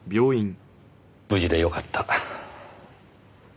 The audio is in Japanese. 無事でよかった。